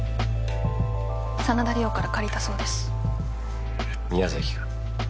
真田梨央から借りたそうです宮崎か？